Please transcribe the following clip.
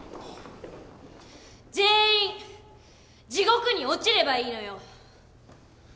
全員地獄に落ちればいいのよ！